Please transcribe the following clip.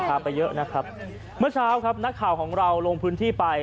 พาไปเยอะนะครับเมื่อเช้าครับนักข่าวของเราลงพื้นที่ไป